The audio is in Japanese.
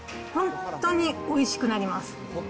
本当においしくなります。